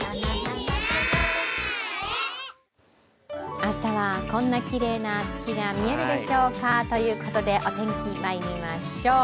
明日はこんなきれいな月が見えるでしょうかということでお天気、まいりましょう。